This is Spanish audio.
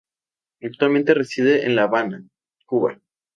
Actualmente reside en La Habana, Cuba.